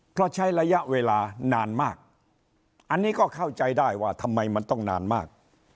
เพราะใช้ระยะเวลานานมากอันนี้ก็เข้าใจได้ว่าทำไมมันต้องนานมาก